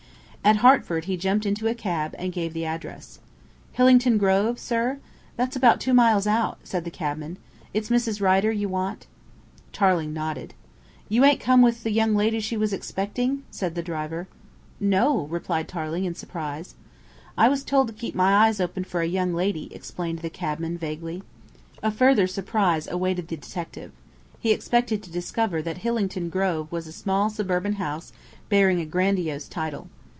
At Hertford he jumped into a cab and gave the address. "Hillington Grove, sir? That's about two miles out," said the cabman. "It's Mrs. Rider you want?" Tarling nodded. "You ain't come with the young lady she was expecting?" said the driver "No," replied Tarling in surprise. "I was told to keep my eyes open for a young lady," explained the cabman vaguely. A further surprise awaited the detective. He expected to discover that Hillington Grove was a small suburban house bearing a grandiose title.